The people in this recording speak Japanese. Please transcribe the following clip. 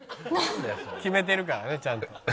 決めてるからねちゃんと。